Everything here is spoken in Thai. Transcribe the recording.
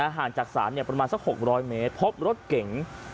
ห่างจากศาลประมาณสัก๖๐๐เมตรพบรถเก๋ง